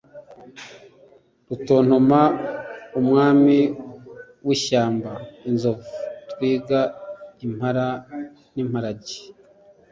rutontoma umwami w ishyamba inzovu twiga impara n imparage